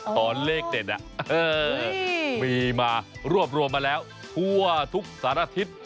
ตอนเลขเด็ดน่ะมีมารวมมาแล้วทั่วทุกสันอาทิตย์